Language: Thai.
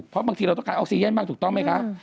เพราะบางทีเราต้องการออกซีเย็นบ้างถูกต้องไหมคะ